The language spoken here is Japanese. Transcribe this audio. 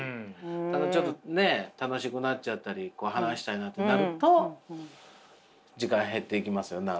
ただちょっとね楽しくなっちゃったり話したりなんてなると時間減っていきますよね。